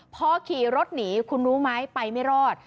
พอขี่รถหนีคุณรู้ไหมไปไม่รอด